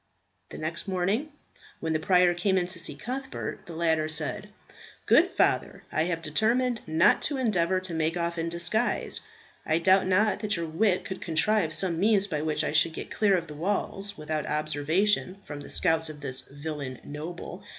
The next morning when the prior came in to see Cuthbert, the latter said, "Good father, I have determined not to endeavour to make off in disguise. I doubt not that your wit could contrive some means by which I should get clear of the walls without observation from the scouts of this villain noble.